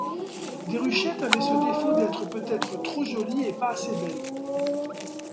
Déruchette avait ce défaut d’être peut-être trop jolie et pas assez belle.